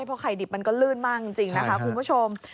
เพราะไข่ดิบมันก็ลื่นมากจริงนะคะคุณผู้ชม